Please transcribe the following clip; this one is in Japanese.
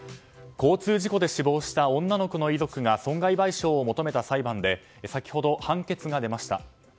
交通事故で死亡した女の子の遺族が損害賠償を求めた裁判で先ほど判決が出ました。